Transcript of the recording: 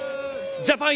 ジャパン！